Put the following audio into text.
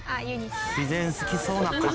「自然好きそうな格好」